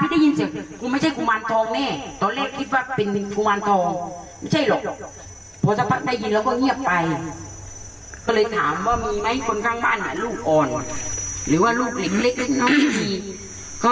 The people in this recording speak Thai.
แต่เหมือนนี้เป็นการทวงนี้ที่ครอบน่ารักเลยอ่ะ